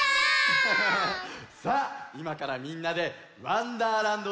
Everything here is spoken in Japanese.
さあいまからみんなでわんだーらんど